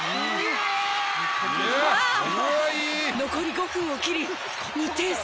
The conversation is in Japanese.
残り５分を切り、２点差。